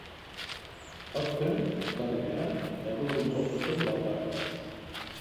Aurten, urtarrilean, errudun jo zuten laugarrenez.